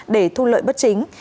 để thu lợi bất chính